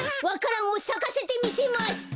わか蘭をさかせてみせます！